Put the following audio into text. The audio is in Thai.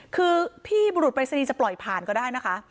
คือพี่บุรุษปรายศนีย์จะปล่อยผ่านก็ได้นะคะ